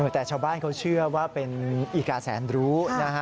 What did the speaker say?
แต่ชาวบ้านเขาเชื่อว่าเป็นอีกาแสนรู้นะฮะ